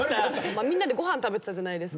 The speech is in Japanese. みんなでご飯食べてたじゃないですか。